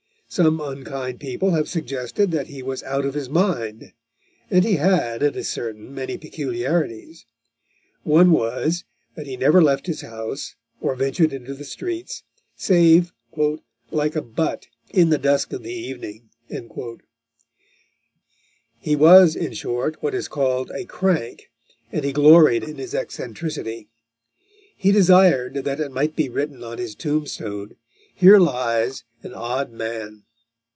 Some unkind people have suggested that he was out of his mind, and he had, it is certain, many peculiarities. One was, that he never left his house, or ventured into the streets, save "like a but, in the dusk of the evening." He was, in short, what is called a "crank," and he gloried in his eccentricity. He desired that it might be written on his tombstone, "Here lies an Odd Man."